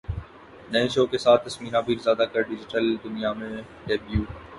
نئے شو کے ساتھ ثمینہ پیرزادہ کا ڈیجیٹل دنیا میں ڈیبیو